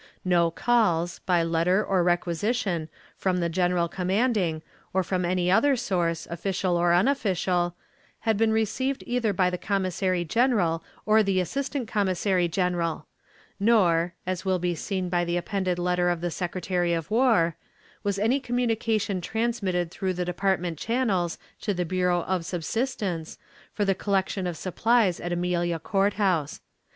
No calls, by letter or requisition, from the General commanding, or from any other source, official or unofficial, had been received either by the Commissary General or the Assistant Commissary General; nor (as will be seen by the appended letter of the Secretary of War) was any communication transmitted through the department channels to the bureau of subsistence, for the collection of supplies at Amelia Court House.